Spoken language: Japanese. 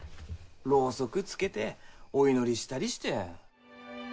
ロウソクつけてお祈りしたりして。